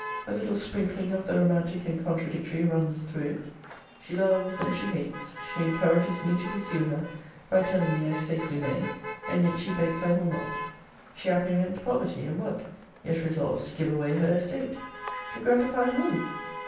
A little sprinkling of the romantic and contradictory runs through it. She loves, and she hates; she encourages me to pursue her, by telling me I safely may; and yet she begs I will not. She apprehends poverty and want, yet resolves to give away her estate; To gratify whom?